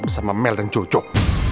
bersama mel dan cocok